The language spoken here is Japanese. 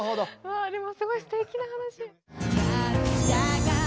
わぁでもすごいすてきな話。